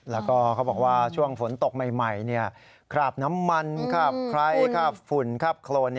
แล้วก็เขาบอกว่าช่วงฝนตกใหม่คราบน้ำมันคราบไคร้คาบฝุ่นคราบโครน